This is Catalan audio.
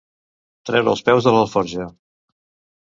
Treure els peus de l'alforja.